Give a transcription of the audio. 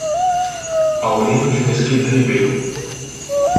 Aurino de Mesquita Ribeiro